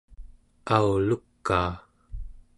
aulukaa